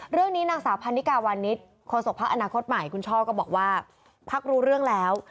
เรื่องนี้นางสาวพันนิกาวานิสโคศกพักอนาคตใหม่คุณช่อก็บอกว่าพักรู้เรื่องแล้ว